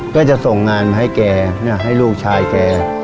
ก็จะส่งงานมาให้แกให้ลูกชายแก